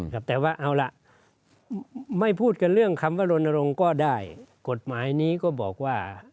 ครับแต่ว่าเอาล่ะไม่พูดกันเรื่องคำว่ารณรงค์ก็ได้กฎหมายนี้ก็บอกว่า